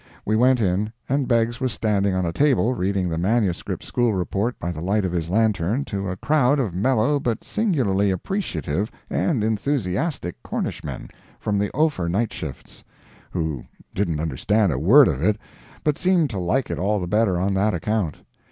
We went in, and Beggs was standing on a table reading the manuscript school report by the light of his lantern to a crowd of mellow but singularly appreciative and enthusiastic Cornishmen from the Ophir nightshifts, who didn't understand a word of it, but seemed to like it all the better on that account.